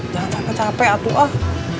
jangan capek capek atuh ah